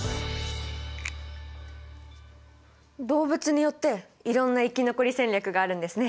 動物によっていろんな生き残り戦略があるんですね。